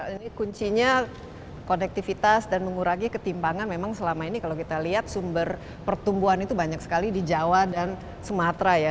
ini kuncinya konektivitas dan mengurangi ketimpangan memang selama ini kalau kita lihat sumber pertumbuhan itu banyak sekali di jawa dan sumatera ya